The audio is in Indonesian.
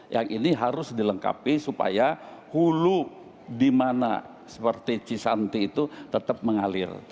yang ini harus dilengkapi supaya hulu di mana seperti cisanti itu tetap mengalir